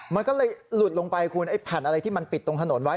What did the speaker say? มันก็เลยหลุดลงไปคุณไอ้แผ่นอะไรที่มันปิดตรงถนนไว้